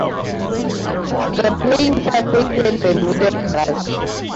The playing surface is Bermuda Grass.